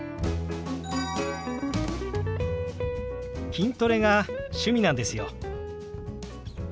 筋トレが趣味なんですよ。